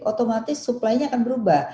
otomatis supplynya akan berubah